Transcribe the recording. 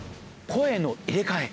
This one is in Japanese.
声の入れかえ？